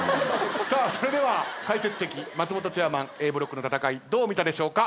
それでは解説席松本チェアマンＡブロックの戦いどう見たでしょうか。